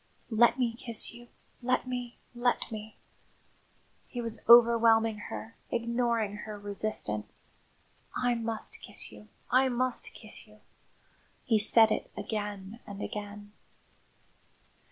"Let me kiss you let me, let me!" He was overwhelming her, ignoring her resistance. "I must kiss you, I must kiss you." He said it again and again.